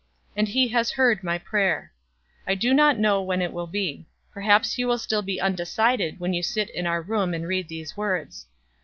And he has heard my prayer. I do not know when it will be; perhaps you will still be undecided when you sit in our room and read these words.